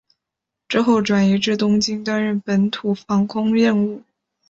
之后转移至东京担任本土防空任务。